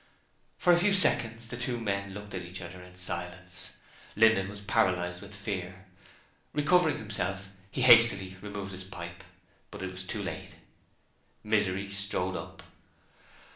For a few seconds the two men looked at each other in silence. Linden was paralysed with fear. Recovering himself, he hastily removed his pipe, but it was too late. Misery strode up.